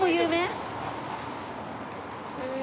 へえ。